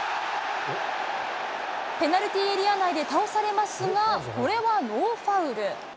ペナルティーエリア内で倒されますが、これはノーファウル。